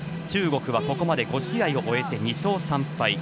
中国はここまで５試合終えて２勝３敗。